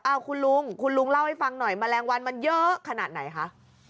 เอาคุณลุงคุณลุงเล่าให้ฟังหน่อยแมลงวันมันเยอะขนาดไหนคะ